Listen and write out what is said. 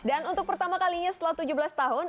dan untuk pertama kalinya setelah tujuh belas tahun